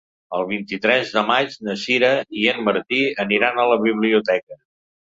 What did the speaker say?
El vint-i-tres de maig na Sira i en Martí aniran a la biblioteca.